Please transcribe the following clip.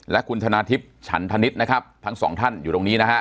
และคุณชนะทิพย์ฉันธนิษฐ์นะครับทั้งสองท่านอยู่ตรงนี้นะฮะ